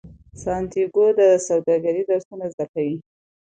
سانتیاګو د سوداګرۍ درسونه زده کوي.